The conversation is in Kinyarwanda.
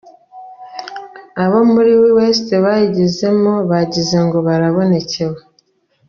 Abo muri West bayigezemo bagizengo barabonekewe.